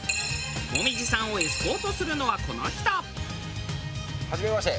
紅葉さんをエスコートするのはこの人。はじめまして。